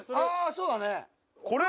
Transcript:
そうだね。